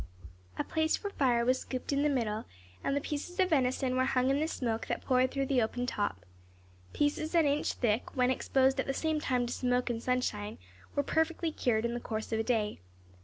A place for fire was scooped in the middle; and the pieces of venison were hung in the smoke that poured through the open top. Pieces an inch thick, when exposed at the same time to smoke and sunshine were perfectly cured in the course of a day.